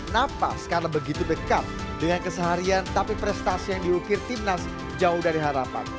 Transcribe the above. napas karena begitu dekat dengan keseharian tapi prestasi yang diukir timnas jauh dari harapan